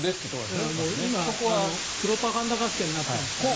だからプロパガンダ合戦になっていますから。